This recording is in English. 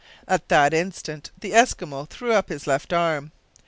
At that instant the Eskimo threw up his left arm.